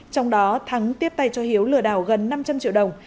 trong đó thắng tiếp tay cho hiếu lừa đảo gần năm trăm linh triệu đồng